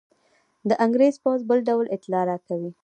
د انګرېز پوځ بل ډول اطلاع راکوي.